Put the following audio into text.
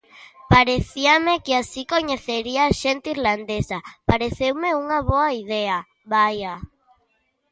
Parecíame que así coñecería xente irlandesa: pareceume unha boa idea, vaia.